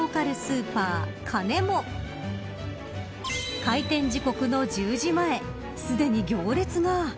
開店時刻の１０時前すでに行列が。